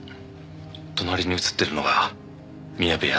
隣に写ってるのが宮部保昭。